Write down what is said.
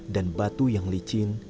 dan batu yang licin